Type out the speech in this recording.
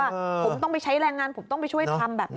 ผมต้องไปใช้แรงงานผมต้องไปช่วยทำแบบนี้